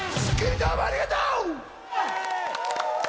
どうもありがとう。